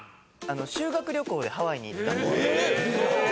修学旅行でハワイに行ったんですよ。